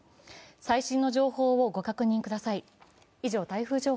最新の情報をご確認ください。